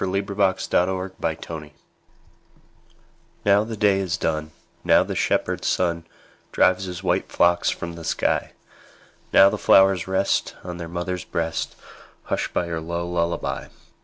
Louisa May Alcott Lullaby NOW the day is done, Now the shepherd sun Drives his white flocks from the sky; Now the flowers rest On their mother's breast, Hushed by her low lullaby.